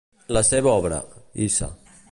La seva obra, Isha.